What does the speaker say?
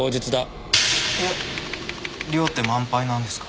えっ寮って満杯なんですか？